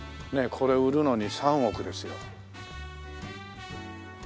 これ売るのに３億ですよ。